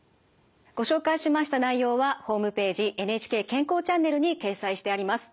ご紹介しました内容はホームページ「ＮＨＫ健康チャンネル」に掲載してあります。